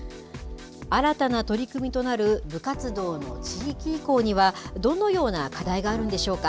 新たな取り組みとなる部活動の地域移行には、どのような課題があるんでしょうか。